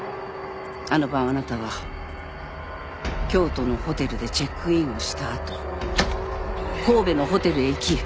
あの晩あなたは京都のホテルでチェックインをした後神戸のホテルへ行き。